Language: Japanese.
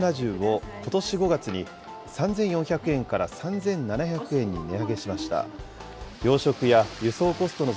人気メニューの上うな重をことし５月に３４００円から３７００円に値上げしました。